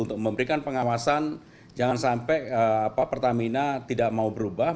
untuk memberikan pengawasan jangan sampai pertamina tidak mau berubah